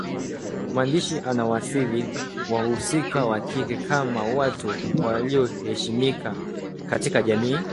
Mwandishi anasawiri wahusika wa kike kama watu walioheshimika Katika jamii